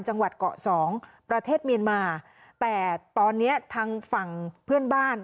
จังหวัดเกาะสองประเทศเมียนมาแต่ตอนเนี้ยทางฝั่งเพื่อนบ้าน